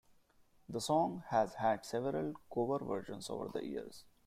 The song has had several cover versions over the years.